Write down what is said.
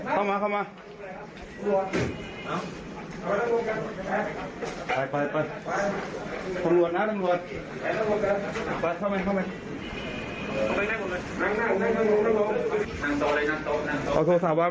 เข้ามาเข้ามา